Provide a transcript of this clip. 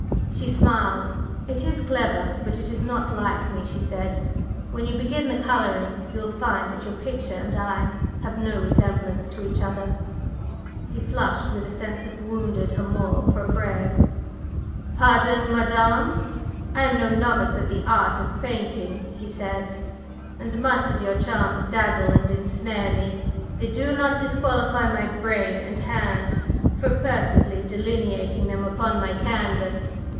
She smiled. "It is clever; but it is not like me," she said. "When you begin the coloring you will find that your picture and I have no resemblance to each other." He flushed with a sense of wounded amour propre. "Pardon, madame! I am no novice at the art of painting," he said; "and much as your charms dazzle and ensnare me, they do not disqualify my brain and hand from perfectly delineating them upon my canvas.